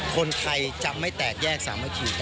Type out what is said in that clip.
คนไทยจะไม่แตกแยกสามัคคี